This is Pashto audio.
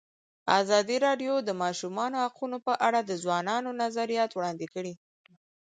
ازادي راډیو د د ماشومانو حقونه په اړه د ځوانانو نظریات وړاندې کړي.